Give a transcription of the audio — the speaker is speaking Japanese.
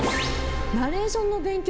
ナレーションの勉強